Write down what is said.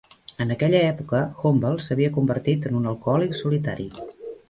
En aquella època Humble s'havia convertit en un alcohòlic solitari.